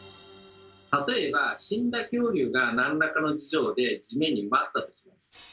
例えば死んだ恐竜が何らかの事情で地面に埋まったとします。